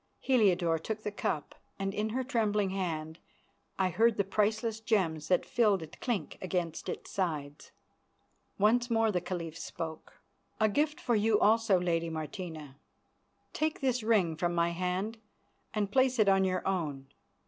Heliodore took the cup, and in her trembling hand I heard the priceless gems that filled it clink against its sides. Once more the Caliph spoke. "A gift for you also, Lady Martina. Take this ring from my hand and place it on your own.